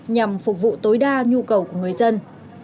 nhằm phục vụ tối đa nhu cầu của người dân